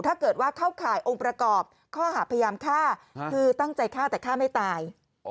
ถ้าเกิดว่าเข้าข่ายองค์ประกอบข้อหาพยายามฆ่าคือตั้งใจฆ่าแต่ฆ่าไม่ตาย